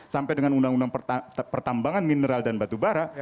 sampai dengan undang undang pertambangan mineral dan batu bara